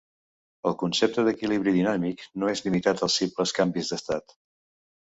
El concepte d'equilibri dinàmic no és limitat als simples canvis d'estat.